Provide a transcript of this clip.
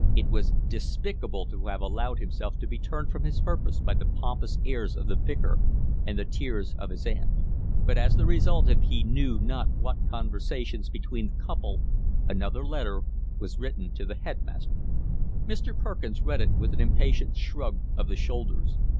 It was despicable to have allowed himself to be turned from his purpose by the pompous airs of the Vicar and the tears of his aunt. But as the result of he knew not what conversations between the couple another letter was written to the headmaster. Mr. Perkins read it with an impatient shrug of the shoulders.